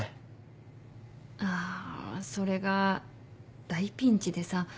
あそれが大ピンチでさ。